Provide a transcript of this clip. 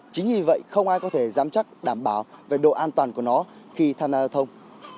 chính vì vậy không ai có thể giám chắc đảm bảo về độ an toàn của nó khi tham gia giao thông